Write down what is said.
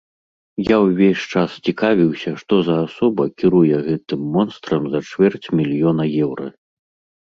Я ўвесь час цікавіўся, што за асоба кіруе гэтым монстрам за чвэрць мільёна еўра.